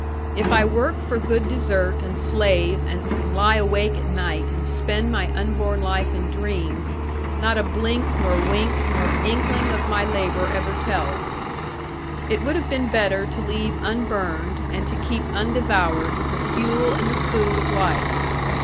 If I work for good desert, and slave, and lie awake at night, and spend my unborn life in dreams, not a blink, nor wink, nor inkling of my labour ever tells. It would have been better to leave unburned, and to keep undevoured, the fuel and the food of life.